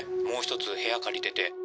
もう１つ部屋借りてて。